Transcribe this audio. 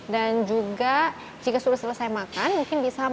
dan juga jika sudah selesai makan mungkin bisa makan